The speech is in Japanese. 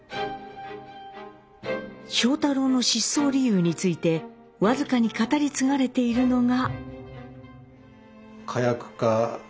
庄太郎の失踪理由について僅かに語り継がれているのが。